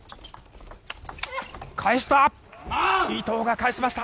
返した！